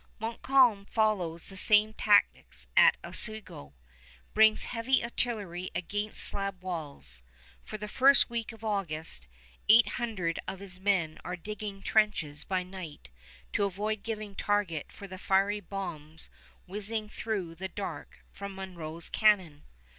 Montcalm follows the same tactics as at Oswego, brings heavy artillery against slab walls. For the first week of August, eight hundred of his men are digging trenches by night to avoid giving target for the fiery bombs whizzing through the dark from Monro's cannon.